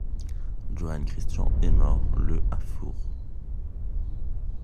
Johann Christian est mort le à Fürth.